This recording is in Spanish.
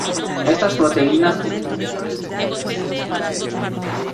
Estas proteínas tienen un rol estructural esencialmente.